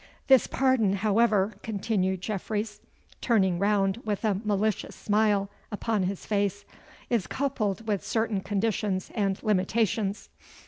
'This pardon, however,' continued Jeffreys, turning round with a malicious smile upon his face, 'is coupled with certain conditions and limitations.